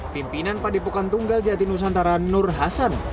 pemimpinan padipukan tunggal jati nusantara nur hasan